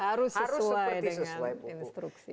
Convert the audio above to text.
harus sesuai dengan instruktion